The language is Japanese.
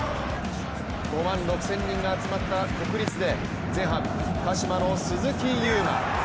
５万６０００人が集まった国立で前半、鹿島の鈴木優磨。